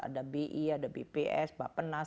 ada bi ada bps bapenas